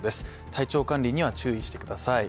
体調管理には注意してください。